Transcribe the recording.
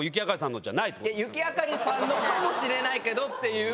雪あかりさんのかもしれないけどっていう。